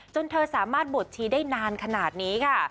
เธอสามารถบวชชีได้นานขนาดนี้ค่ะ